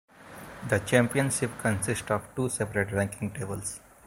The championship consists of two separate ranking tables.